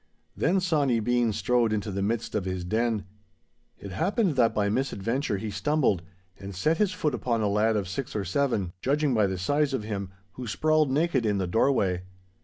Then Sawny Bean strode into the midst of his den. It happened that by misadventure he stumbled and set his foot upon a lad of six or seven, judging by the size of him, who sprawled naked in the doorway.